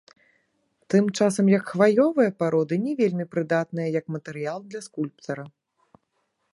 Тым часам як хваёвыя пароды не вельмі прыдатныя як матэрыял для скульптара.